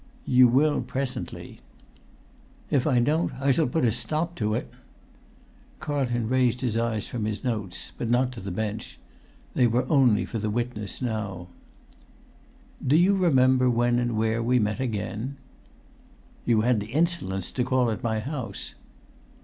"You will presently." "If I don't I shall put a stop to it!" Carlton raised his eyes from his notes, but not to the bench; they were only for the witness now. [Pg 170]"Do you remember when and where we met again?" "You had the insolence to call at my house."